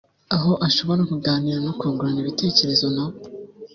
aho ashobora kuganira no kungurana ibitekerezo nabo